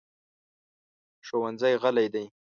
ښوونځی غلی دی.